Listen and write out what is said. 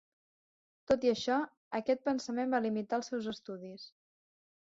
Tot i això, aquest pensament va limitar els seus estudis.